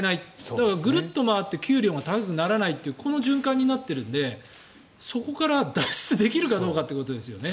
だからぐるっと回って給料が高くならないというこの循環になっているのでそこから脱出できるかどうかということですよね。